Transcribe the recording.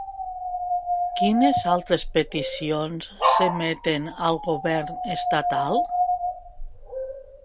Quines altres peticions s'emeten al govern estatal?